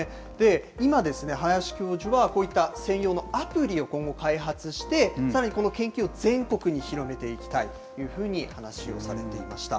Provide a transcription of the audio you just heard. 今ですね、林教授はこういった専用のアプリを今後開発して、さらにこの研究を全国に広めていきたいというふうに話をされていました。